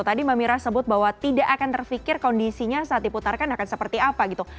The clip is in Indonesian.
tadi mbak mira sebut bahwa tidak akan terfikir kondisinya saat diputarkan akan seperti apa gitu